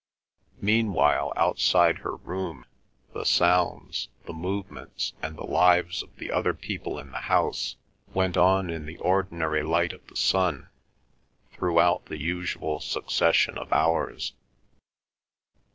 Meanwhile outside her room the sounds, the movements, and the lives of the other people in the house went on in the ordinary light of the sun, throughout the usual succession of hours.